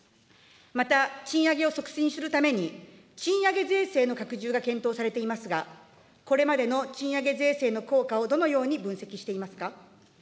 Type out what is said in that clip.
また、賃上げを促進するために、賃上げ税制の拡充が検討されていますが、これまでの賃上げ税制の効果をどのように分析していますか。